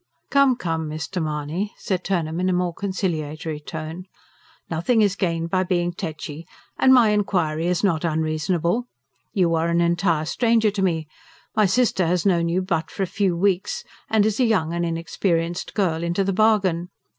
"Come, come, Mr. Mahony," said Turnham in a more conciliatory tone. "Nothing is gained by being techy. And my inquiry is not unreasonable. You are an entire stranger to me; my sister has known you but for a few weeks, and is a young and inexperienced girl into the bargain.